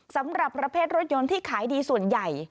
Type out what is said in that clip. สำหรับประเภทรถยนต์ที่ขายดีส่วนใหญ่